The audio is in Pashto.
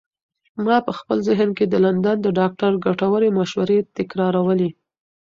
ما په خپل ذهن کې د لندن د ډاکتر ګټورې مشورې تکرارولې.